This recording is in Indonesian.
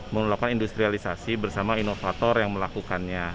melakukan industrialisasi bersama inovator yang melakukannya